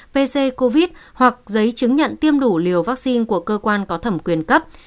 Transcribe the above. pc covid hoặc giấy chứng nhận tiêm đủ liều vaccine của cơ quan có thẩm quyền cấp